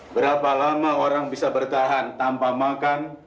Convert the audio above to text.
berapa lama orang bisa bertahan tanpa makan